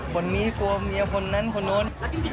คนนี้กลัวเมียคนนั้นคนนู้น